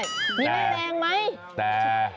นี่ไม่แรงไหมแต่แต่